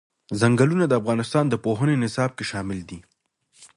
ځنګلونه د افغانستان د پوهنې نصاب کې شامل دي.